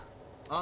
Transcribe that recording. あ。